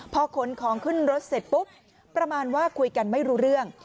พอขนของขึ้นรถเสร็จปุ๊บประมาณว่าคุยกันไม่รู้เรื่อง